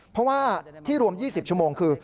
เพราะว่าที่รวม๒๐ชั่วโมงคือ